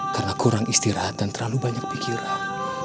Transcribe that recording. karena kurang istirahat dan terlalu banyak pikiran